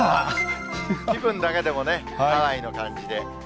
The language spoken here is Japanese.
気分だけでもね、ハワイの感じで。